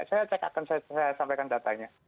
saya cek akan saya sampaikan datanya